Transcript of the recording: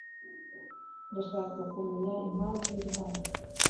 Ndashaka kumenya impamvu ndi hano .